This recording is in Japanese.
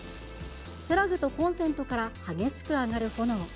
プラグとコンセントから激しく上がる炎。